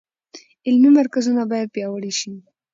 علمي مرکزونه باید پیاوړي شي.